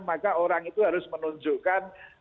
maka orang itu harus menunjukkan